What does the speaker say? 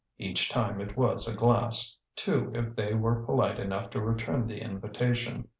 Each time it was a glass, two if they were polite enough to return the invitation.